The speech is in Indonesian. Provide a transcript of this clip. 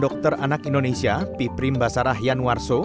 dokter anak indonesia piprim basarah yanwarso